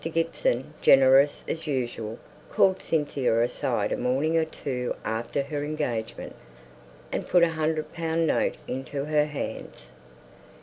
Gibson, generous as usual, called Cynthia aside a morning or two after her engagement, and put a hundred pound note into her hands.